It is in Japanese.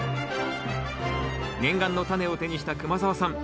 念願のタネを手にした熊澤さん